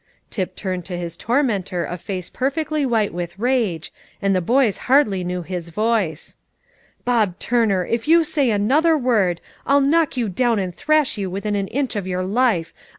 Tip turned to his tormentor a face perfectly white with rage, and the boys hardly knew his voice: "Bob Turner, if you say another word, I'll knock you down and thrash you within an inch of your life.